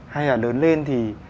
hay là lớn lên thì